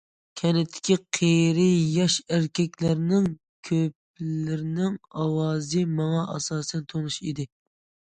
كەنتتىكى قېرى- ياش ئەركەكلەرنىڭ كۆپلىرىنىڭ ئاۋازى ماڭا ئاساسەن تونۇش ئىدى.